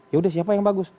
ya udah siapa yang bagus